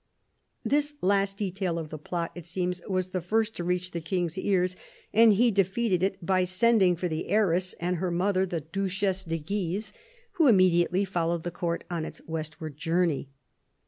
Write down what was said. This last detail of the plot, it seems, was the first to reach the King's ears, and he defeated it by sending for the heiress and her mother, the Duchesse de Guise, THE CARDINAL 173 who immediately followed the Court on its westward journey.